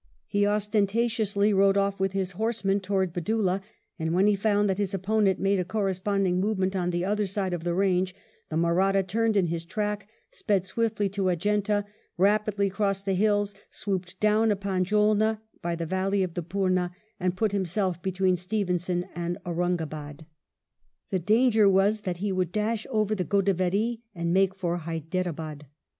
He ostentatiously rode off with his horsemen towards Badoolah, and when he found that his opponent made a corresponding movement on the other side of the range, the Mahratta turned in his track, sped swiftly to Adjunta, rapidly crossed the hills, swooped down upon Jaulna by the valley of the Pooma, and put himself between Stevenson and Aurungabad. The danger was that he would dash over the Godavery and make for Hyderabad.